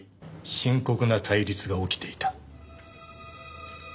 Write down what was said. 深刻な対立が起きていた。